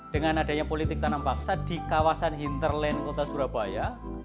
dengan adanya politik tanam paksa di kawasan hinterland kota surabaya